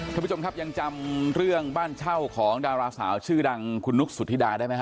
ท่านผู้ชมครับยังจำเรื่องบ้านเช่าของดาราสาวชื่อดังคุณนุกสุธิดาได้ไหมฮ